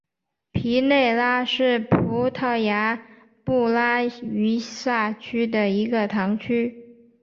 皮内拉是葡萄牙布拉干萨区的一个堂区。